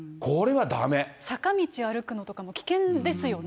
坂道歩くのとかも、危険ですよね。